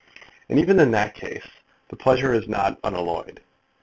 And even in that case the pleasure is not unalloyed.